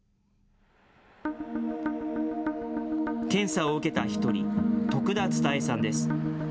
検査を受けた１人、徳田伝さんです。